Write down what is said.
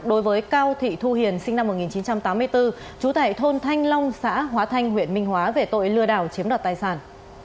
đối với cao thị thu hiền sinh năm một nghìn chín trăm tám mươi bốn trú tại thôn thanh long xã hóa thanh huyện minh hóa về tội lừa đảo chiếm đoạt tài sản